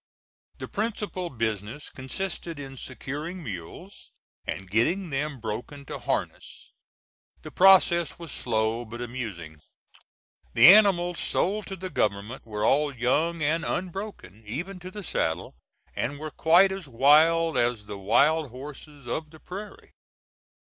The principal business consisted in securing mules, and getting them broken to harness. The process was slow but amusing. The animals sold to the government were all young and unbroken, even to the saddle, and were quite as wild as the wild horses of the prairie.